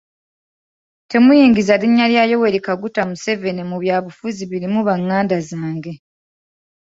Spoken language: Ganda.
Temuyingiza linnya lyange Yoweri Kaguta Museveni mu byabufuzi birimu banganda zange.